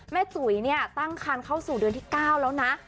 จุ๋ยเนี่ยตั้งคันเข้าสู่เดือนที่๙แล้วนะ